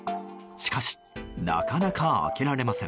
しかしなかなか開けられません。